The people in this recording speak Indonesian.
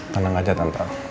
tenang aja tante